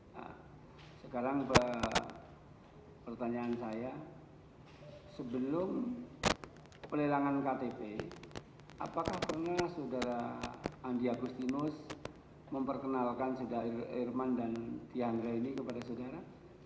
nah sekarang pertanyaan saya sebelum pelelangan ktp apakah pernah saudara andi agustinus memperkenalkan saudara irman dan diandra ini kepada saudara